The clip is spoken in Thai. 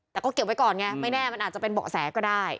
แต่ก็เก็บไว้ก่อนไงไม่แน่มันอาจจะเป็นเบาะแสก็ได้